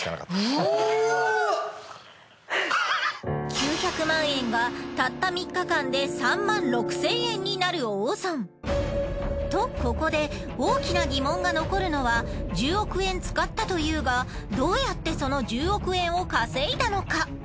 ９００万円がたった３日間で３万６，０００円になる大損。とここで大きな疑問が残るのは１０億円使ったというがどうやってその１０億円を稼いだのか？